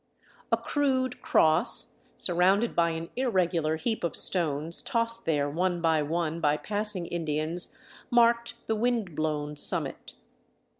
A crude cross, surrounded by an irregular heap of stones tossed there one by one by passing Indians, marked the wind blown summit.